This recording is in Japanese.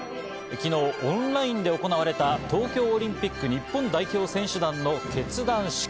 昨日オンラインで行われた東京オリンピック日本代表選手団の結団式。